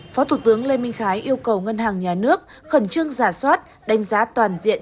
phó thủ tướng lê minh khái yêu cầu ngân hàng nhà nước khẩn trương giả soát đánh giá toàn diện